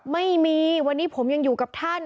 ไม่มีวันนี้ผมยังอยู่กับท่าน